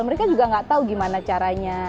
mereka juga nggak tahu gimana caranya